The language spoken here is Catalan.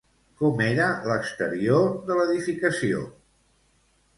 Com era l'exterior de l'edificació?